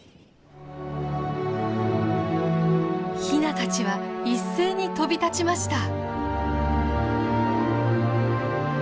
ヒナたちは一斉に飛び立ちました。